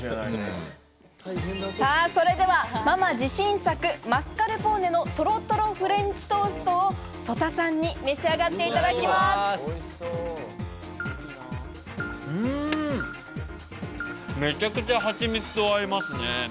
それではママ自信作マスカルポーネのトロトロフレンチトーストを曽田さんに召し上がっていためちゃくちゃハチミツと合いますね。